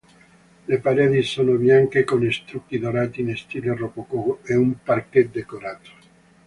Le pareti sono bianche con stucchi dorati in stile rococò e un "parquet" decorato.